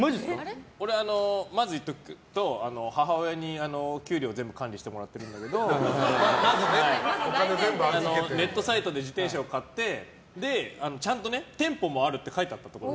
俺、まず言っておくけど母親にお給料全部管理してもらっているんだけどネットサイトで自転車を買ってちゃんと店舗もあるって書いてあったの。